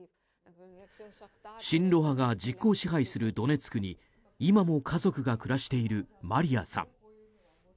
親ロ派が実効支配するドネツクに今も家族が暮らしているマリアさん。